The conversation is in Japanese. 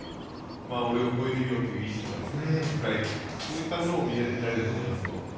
俺を超えてみろとかいう意地とかプライドとかそういったものも見られると思います。